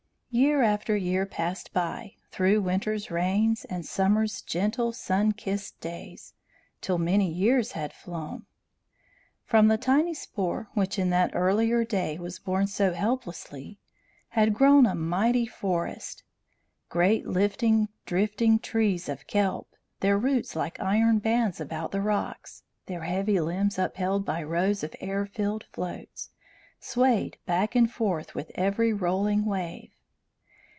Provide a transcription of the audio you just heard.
Year after year passed by, through winter's rains and summer's gentle, sun kissed days, till many years had flown. From the tiny spore, which in that earlier day was borne so helplessly, had grown a mighty forest. Great lifting, drifting trees of kelp, their roots like iron bands about the rocks, their heavy limbs upheld by rows of air filled floats, swayed back and forth with every rolling wave.